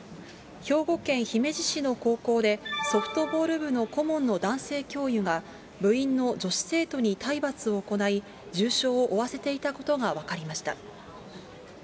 兵庫県姫路市の高校で、ソフトボール部の顧問の男性教諭が、部員の女子生徒に体罰を行い、重傷を負わせていたことが分かりました。